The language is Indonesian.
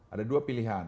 ada dua pilihan